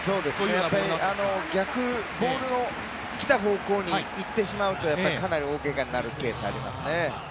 逆、ボールの来た方向にいってしまうとかなり大けがになるケースはありますね。